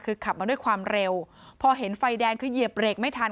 คือขับมาด้วยความเร็วพอเห็นไฟแดงคือเหยียบเบรกไม่ทัน